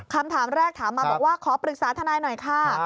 คำถามแรกถามมาบอกว่าขอปรึกษาทนายหน่อยค่ะ